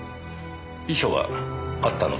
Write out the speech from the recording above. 遺書はあったのですか？